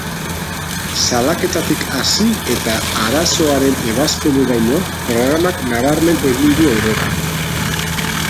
Salaketatik hasi eta arazoaren ebazpeneraino, programak nabarmen egin du aurrera.